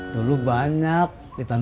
dulu banyak ditanam di bandung